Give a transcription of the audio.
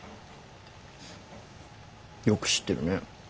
よく知ってるね。